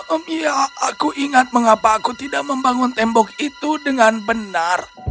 oh iya aku ingat mengapa aku tidak membangun tembok itu dengan benar